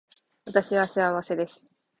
私は幸せです